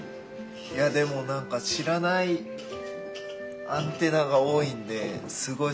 いやでもなんか知らないアンテナが多いんですごい